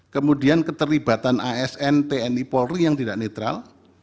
kemudian keterlibatan asn tni polri yang tidak netral